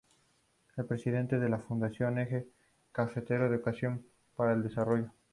Es Presidente de la Fundación Eje Cafetero Educación para el Desarrollo.